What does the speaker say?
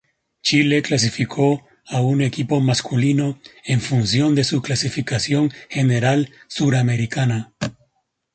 Chile clasificó a un equipo masculino en función de su clasificación general suramericana.